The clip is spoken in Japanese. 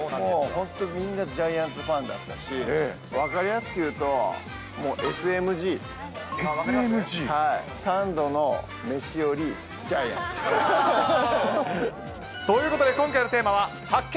本当みんな、ジャイアンツファンだったし、分かりやすく言うと、もうＳＭＧ。ＳＭＧ。ということで今回でテーマは、発見！